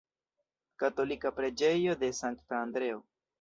Katolika preĝejo de Sankta Andreo.